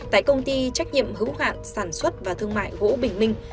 tại công ty trách nhiệm hữu hạn sản xuất và thương mại gỗ bình minh